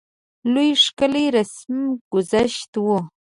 لوی ښکلی رسم ګذشت وو.